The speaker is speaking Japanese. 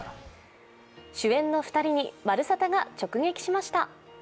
主演の２人に「まるサタ」が直撃しました。